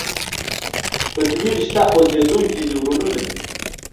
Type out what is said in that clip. بطني رشته خوځېدونکي نیورونونه لري.